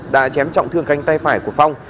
đã chém trọng thương canh tay phải của phong